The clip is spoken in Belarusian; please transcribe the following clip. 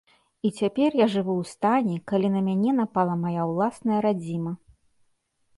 І цяпер я жыву ў стане, калі на мяне напала мая ўласная радзіма.